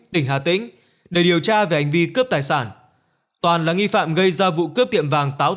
tỉnh hà tĩnh để điều tra về hành vi cướp tài sản toàn là nghi phạm gây ra vụ cướp tiệm vàng táo